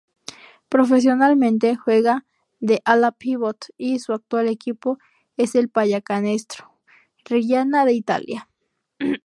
Profesionalmente Juega de ala-pívot y su actual equipo es el Pallacanestro Reggiana de Italia.